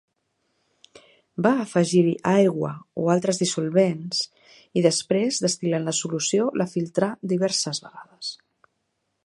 Va afegir-hi aigua o altres dissolvents i després, destil·lant la solució, la filtrà diverses vegades.